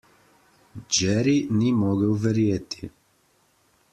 Jerry ni mogel verjeti.